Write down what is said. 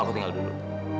aku tinggal dulu